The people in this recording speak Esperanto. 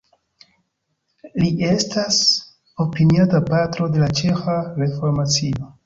Li estas opiniata patro de ĉeĥa reformacio.